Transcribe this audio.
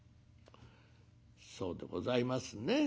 「そうでございますね。